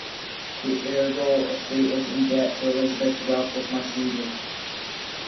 The Argyll estate was in debt, so Elizabeth's wealth was much needed.